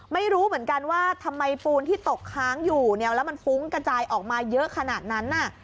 ไม่รู้เหมือนกันว่าทำไมปูนที่ตกค้างอยู่เนี่ยแล้วมันฟุ้งกระจายออกมาเยอะขนาดนั้นน่ะ